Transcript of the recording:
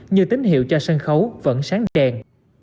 như tín hiệu cho sân khấu vẫn sáng đèn